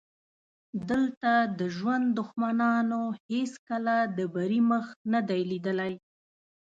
دلته د ژوند دښمنانو هېڅکله د بري مخ نه دی لیدلی.